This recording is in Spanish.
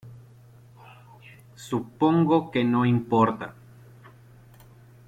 Supongo que no importa.